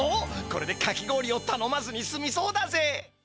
これでかき氷をたのまずにすみそうだぜ！